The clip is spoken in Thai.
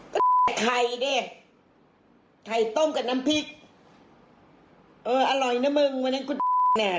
ไก่เนี้ยไก่ต้มกับน้ำพริกเอออร่อยนะมึงวันนั้นเนี้ย